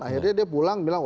akhirnya dia pulang bilang